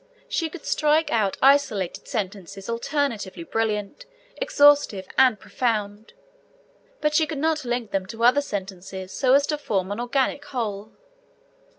She could strike out isolated sentences alternately brilliant, exhaustive, and profound, but she could not link them to other sentences so as to form an organic whole.